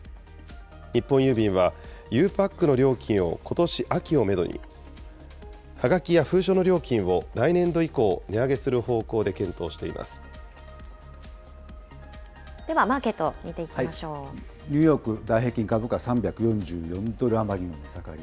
日本郵便は、ゆうパックの料金をことし秋をメドに、はがきや封書の料金を来年度以降、では、マーケットを見ていきニューヨーク、ダウ平均株価、３４４ドル余りの値下がり。